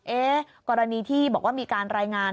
กรณีที่บอกว่ามีการรายงาน